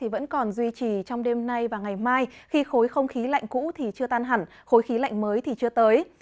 vẫn còn duy trì trong đêm nay và ngày mai khi khối không khí lạnh cũ thì chưa tan hẳn khối khí lạnh mới thì chưa tới